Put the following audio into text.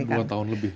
dua tahun lebih